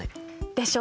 でしょ？